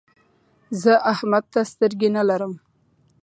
زه احمد ته سترګې نه لرم.